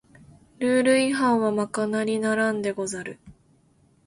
ルール違反はまかなりならんでござる